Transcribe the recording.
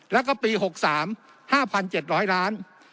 และก็ปี๖๓๕๗๐๐บาท